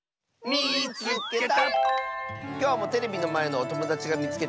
「みいつけた！」。